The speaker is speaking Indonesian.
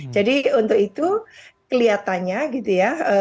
jadi untuk itu kelihatannya gitu ya